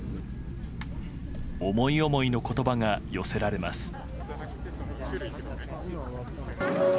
思い思いの言葉が寄せられます。